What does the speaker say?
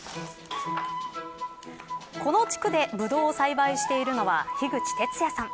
この地区でブドウを栽培しているのは樋口哲也さん。